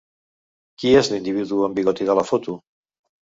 Qui és l'individu amb bigoti de la foto?